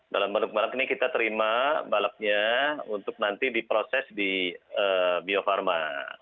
dalam bentuk balok ini kita terima baloknya untuk nanti diproses di bio farma